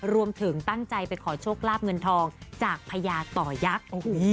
รวมถึงตั้งใจไปขอโชคลาบเงินทองจากพญาต่อยักษ์